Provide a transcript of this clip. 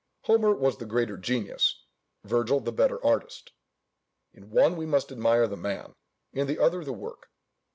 Homer was the greater genius, Virgil the better artist. In one we most admire the man, in the other the work.